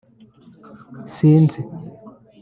Sinzi